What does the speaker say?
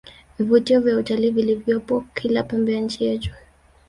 vivutio vya utalii vilivyopo kila pembe ya nchi yetu